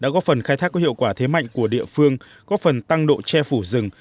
có phần khai thác có hiệu quả thế mạnh của địa phương có phần tăng độ che phủ rừng